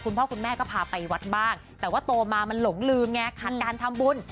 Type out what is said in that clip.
คุณพ่อคุณแม่ก็พาไปวัดบ้างแต่ว่าโตมามันหลงลืมไงขาดการทำบุญ